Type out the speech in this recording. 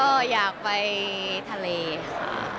ก็อยากไปทะเลค่ะ